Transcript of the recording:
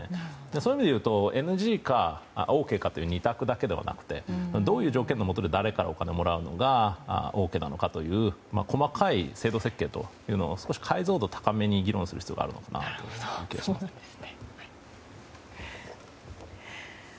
そういう意味で言うとＮＧかＯＫかという２択だけではなくてどういう条件のもとで誰からお金をもらうのがＯＫなのかという細かい制度設計を少し解像度高めに議論する必要があるかなという気がします。